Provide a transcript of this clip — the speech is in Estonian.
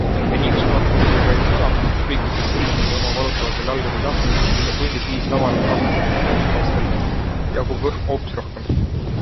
Ja nii uskumatuna kui see ka ei kõla - publiku seas seistes ja oma valutavatel jalgadel tammudes tundus, et tundide viisi laval rahmeldanud bändimeestel jagub võhma hoopis rohkem.